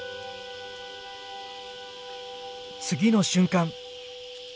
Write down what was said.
次の瞬間！